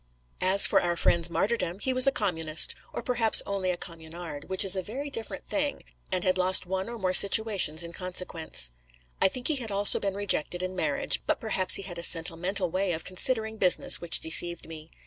As for our friend's martyrdom, he was a Communist, or perhaps only a Communard, which is a very different thing; and had lost one or more situations in consequence. I think he had also been rejected in marriage; but perhaps he had a sentimental way of considering business which deceived me.